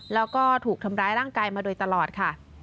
แล้วก็ถูกทำร้ายร่างกายมาโดยตลอดค่ะ